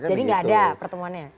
jadi gak ada pertemuannya